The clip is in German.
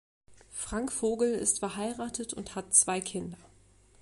Frank Vogel ist verheiratet und hat zwei Kinder.